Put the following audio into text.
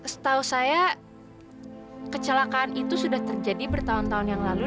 setahu saya kecelakaan itu sudah terjadi bertahun tahun yang lalu